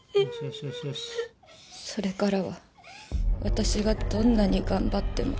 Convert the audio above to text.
それからは私がどんなに頑張っても。